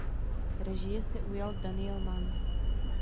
Režie se ujal Daniel Mann.